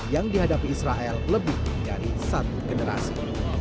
yang dihadapi israel lebih dari satu generasi